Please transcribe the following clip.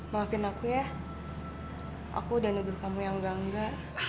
maafin aku ya aku udah nudul kamu yang gangga